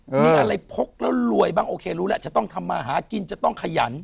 มีอะไรพกแล้วรวยบ้างโอเครู้แล้วจะต้องทำมาหากินจะต้องขยัน